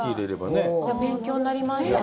勉強になりました。